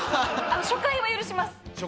初回は許します。